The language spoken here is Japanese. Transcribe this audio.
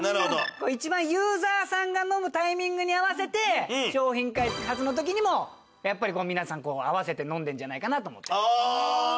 一番ユーザーさんが飲むタイミングに合わせて商品開発の時にもやっぱりこう皆さん合わせて飲んでるんじゃないかなと思って。